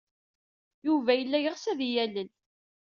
Yuba yella yeɣs ad iyi-yalel.